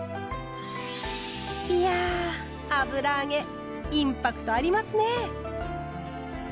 いや油揚げインパクトありますね。